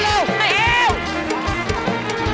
สู้หน่อย